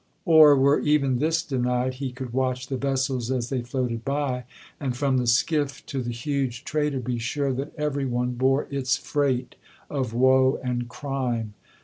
Or, were even this denied, he could watch the vessels as they floated by, and, from the skiff to the huge trader, be sure that every one bore its freight of woe and crime.